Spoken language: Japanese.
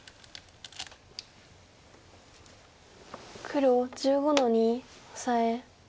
黒１５の二オサエ。